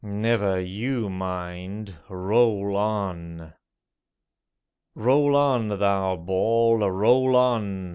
Never you mind! Roll on! Roll on, thou ball, roll on!